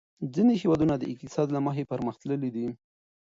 ځینې هېوادونه د اقتصاد له مخې پرمختللي دي.